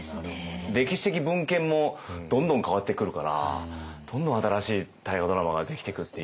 歴史的文献もどんどん変わってくるからどんどん新しい大河ドラマができていくっていう。